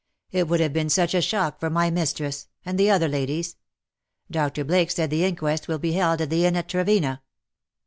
It would have been such a shock for my mistress — and the other ladies. Dr. Blake said the inquest would be held at the inn at Trevena.''